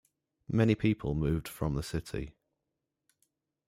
Many people moved from the city.